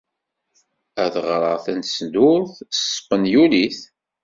Ad ɣreɣ tasnudert ed tespenyulit.